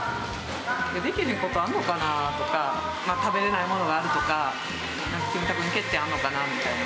できへんこと、あんのかなぁ？とか、食べれないものがあるとか、キムタクに欠点ってあるのかなっていう。